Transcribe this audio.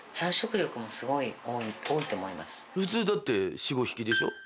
普通だって４５匹でしょ？